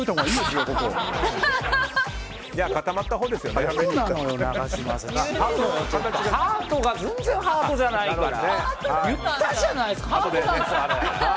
言ったじゃないですか！